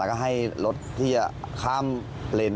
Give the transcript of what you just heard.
แล้วก็ให้รถที่คล้ำเลน